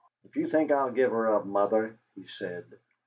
"If you think I'll give her up, Mother " he said.